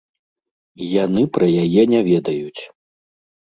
Яны пра яе не ведаюць.